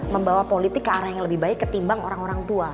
membawa politik ke arah yang lebih baik ketimbang orang orang tua